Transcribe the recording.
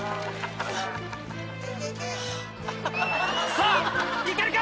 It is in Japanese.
さぁいけるか？